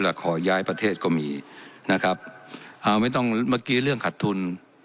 แล้วขอย้ายประเทศก็มีนะครับเอาไม่ต้องเมื่อกี้เรื่องขัดทุน